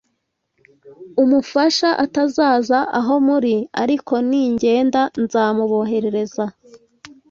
Umufasha atazaza aho muri: ariko ningenda nzamuboherereza